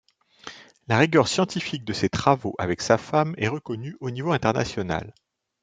La rigueur scientifique de ses travaux avec sa femme est reconnue au niveau international.